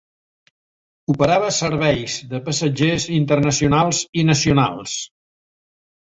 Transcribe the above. Operava serveis de passatgers internacionals i nacionals.